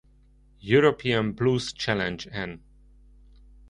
European Blues Challenge-en.